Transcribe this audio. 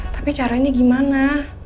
tapi caranya gimana